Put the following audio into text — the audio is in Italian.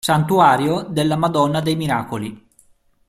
Santuario della Madonna dei Miracoli